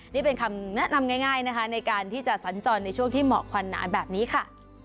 นี่เป็นคำแนะนำง่ายนะคะในการที่จะสัญจรในช่วงที่เหมาะควันหนาแบบนี้ค่ะ